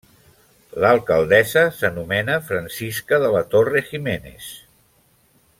L'Alcaldessa s'anomena Francisca de la Torre Giménez.